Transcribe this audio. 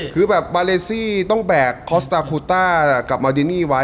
คือแบบบาเลซี่ต้องแบกคอสตาคูต้ากับมาดินี่ไว้